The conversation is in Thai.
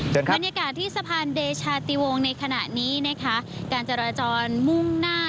บรรยากาศที่สะพานเดชาติวงณ์ในขณะนี้กระจรมุ่งหน้า